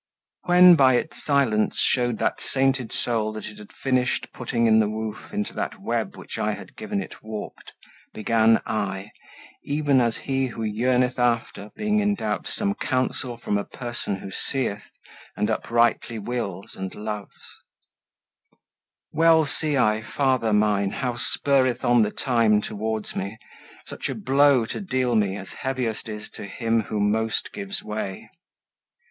When by its silence showed that sainted soul That it had finished putting in the woof Into that web which I had given it warped, Began I, even as he who yearneth after, Being in doubt, some counsel from a person Who seeth, and uprightly wills, and loves: "Well see I, father mine, how spurreth on The time towards me such a blow to deal me As heaviest is to him who most gives way.